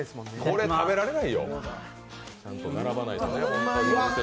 これ、食べられないよ、ちゃんと並ばないと。